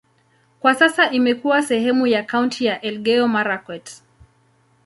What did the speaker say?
Kwa sasa imekuwa sehemu ya kaunti ya Elgeyo-Marakwet.